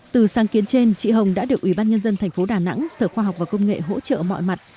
từ sáng kiến trên chị hồng đã được ủy ban nhân dân thành phố đà nẵng sở khoa học và công nghệ hỗ trợ mọi mặt